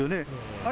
あれ。